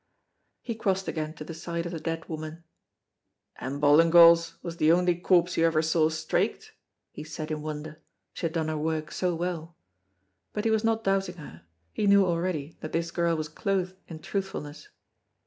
He crossed again to the side of the dead woman, "And Ballingall's was the only corpse you ever saw straiked?" he said in wonder, she had done her work so well. But he was not doubting her; he knew already that this girl was clothed in truthfulness.